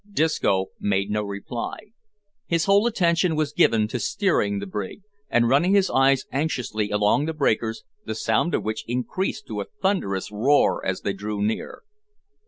Disco made no reply. His whole attention was given to steering the brig, and running his eyes anxiously along the breakers, the sound of which increased to a thunderous roar as they drew near.